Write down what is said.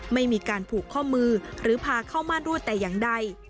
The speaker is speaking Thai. ไม่มีการผูกข้อมือหรือพาเข้าม่านรูดแต่อย่างใด